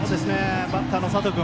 バッターの佐藤君